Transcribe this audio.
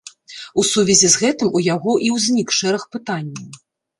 У сувязі з гэтым у яго і ўзнік шэраг пытанняў.